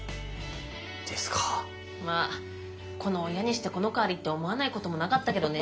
まあこの親にしてこの子ありって思わないこともなかったけどね。